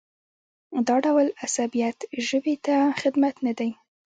دا ډول عصبیت ژبې ته خدمت نه دی.